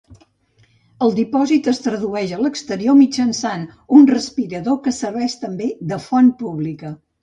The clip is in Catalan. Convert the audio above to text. El dipòsit es tradueix a l'exterior mitjançant un respirador que serveix també de font pública.